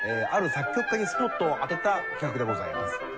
ある作曲家にスポットを当てた企画でございます。